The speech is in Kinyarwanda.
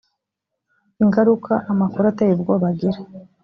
ingaruka amakuru ateye ubwoba agira